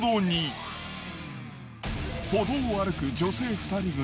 歩道を歩く女性２人組。